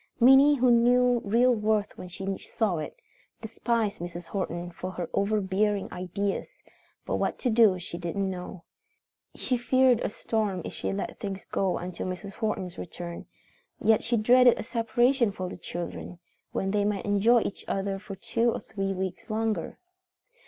Minnie, who knew real worth when she saw it, despised Mrs. Horton for her overbearing ideas, but what to do she didn't know. She feared a storm if she let things go until Mrs. Horton's return, yet she dreaded a separation for the children, when they might enjoy each other for two or three weeks longer.